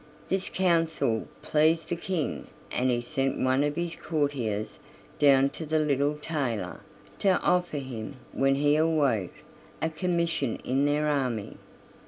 This counsel pleased the King, and he sent one of his courtiers down to the little tailor, to offer him, when he awoke, a commission in their army.